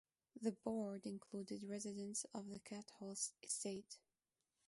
The board included residents of the Cathall estate.